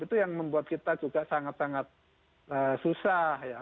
itu yang membuat kita juga sangat sangat susah ya